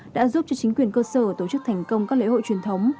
đã giúp cho chính quyền cơ sở tổ chức thành công các lễ hội truyền thống